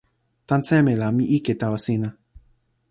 tan seme la mi ike tawa sina?